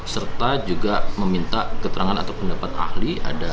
serta juga meminta keterangan atau pendapat ahli ada menetapkan jawab ini